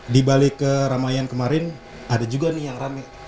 dibalik ke ramai yang kemarin ada juga nih yang rame